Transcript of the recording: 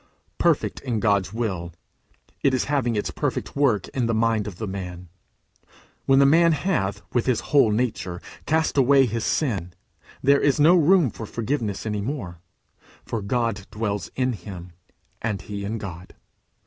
Perfect in God's will, it is having its perfect work in the mind of the man. When the man hath, with his whole nature, cast away his sin, there is no room for forgiveness any more, for God dwells in him, and he in God.